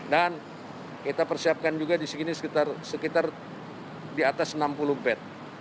dan kita persiapkan juga di sini sekitar di atas enam puluh bed